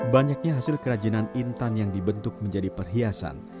banyaknya hasil kerajinan intan yang dibentuk menjadi perhiasan